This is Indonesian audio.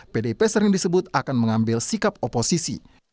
pdip sering disebut akan mengambil sikap oposisi